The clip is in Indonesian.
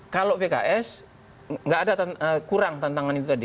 kalau pks kurang tantangan itu tadi